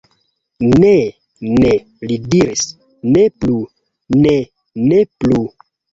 Ne, ne, li diris, Ne plu, ne, ne plu.